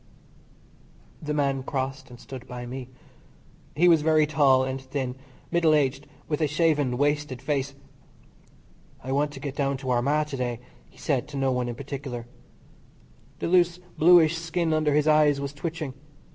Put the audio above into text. The man crossed and stood by me. He was very tall and thin, middle aged, with a shaven, wasted face. "I want to get down to Armagh to day," he said to no one in particular. The loose bluish skin under his eyes was twitching.